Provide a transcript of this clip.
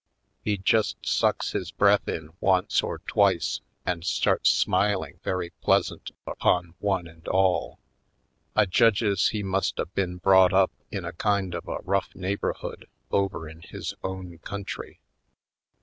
He just sucks his breath in once or tv\ace and starts smil ing very pleasant upon one and all. I judges he must a been brought up in a kind of a rough neighborhood over in his own country.